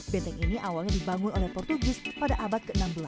benteng ini awalnya dibangun oleh portugis pada abad ke enam belas